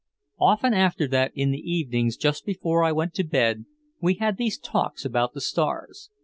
Often after that in the evenings just before I went to bed we had these talks about the stars.